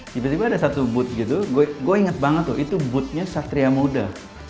tiba tiba ada satu booth gitu gue inget banget tuh itu boothnya satria muda